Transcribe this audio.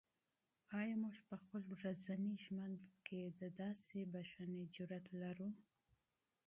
آیا موږ په خپل ورځني ژوند کې د داسې بښنې جرات لرو؟